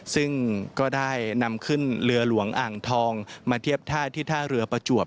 ซึ่งก็ได้นำขึ้นเรือหลวงอ่างทองมาเทียบท่าที่ท่าเรือประจวบ